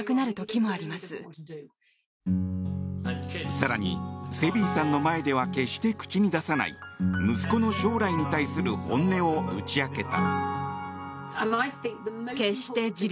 更に、セビーさんの前では決して口に出さない息子の将来に対する本音を打ち明けた。